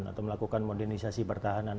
atau melakukan modernisasi pertahanan